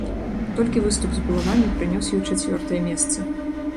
Толькі выступ з булавамі прынёс ёй чацвёртае месца.